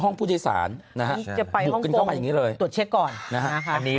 ห้องผู้โดยสารนะฮะจะไปห้องโกงตรวจเช็คก่อนนะฮะอันนี้